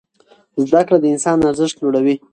زده کړه د انسان ارزښت لوړوي.